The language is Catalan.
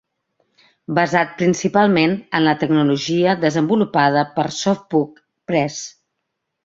"basat principalment en la tecnologia desenvolupada per SoftBook Press".